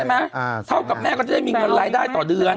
เท่ากับแม่ก็จะได้มีเงินรายได้ต่อเดือน